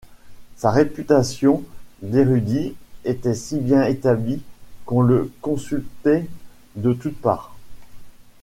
Sa réputation d'érudit était si bien établie qu'on le consultait de toute part.